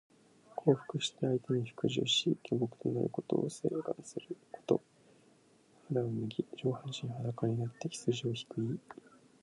降伏して相手に服従し、臣僕となることを請願すること。肌を脱ぎ、上半身裸になって羊をひく意。